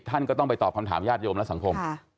ท่านก็ต้องไปตอบคำถามญาติโยมและสังคม